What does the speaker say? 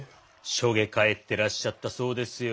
しょげ返ってらっしゃったそうですよ。